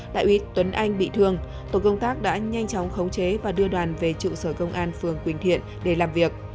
đại úy tuấn anh bị thương tổ công tác đã nhanh chóng khống chế và đưa đoàn về trụ sở công an phường quỳnh thiện để làm việc